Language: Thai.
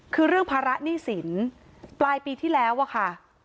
คือเรื่องภาระหนี้สินปลายปีที่แล้วอะค่ะ